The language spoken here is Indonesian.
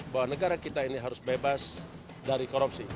bahwa negara kita ini harus bebas dari korupsi